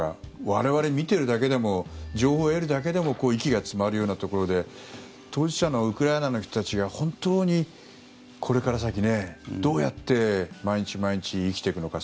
我々見ているだけでも情報を得るだけでも息が詰まるようなところで当事者のウクライナの人たちが本当にこれから先、どうやって毎日、毎日生きていくのか。